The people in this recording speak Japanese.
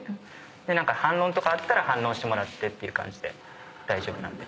何か反論とかあったら反論してもらってっていう感じで大丈夫なんで。